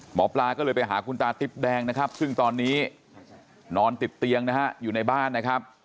หมอปลาก็เลยไปหาคุณตาติ๊บแดงนะครับซึ่งตอนนี้นอนติดเตียงนะฮะอยู่ในบ้านนะครับ